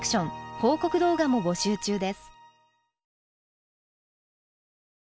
報告動画も募集中です。